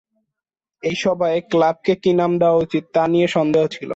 এই সভায় ক্লাবকে কি নাম দেওয়া উচিত তা নিয়ে সন্দেহ ছিল।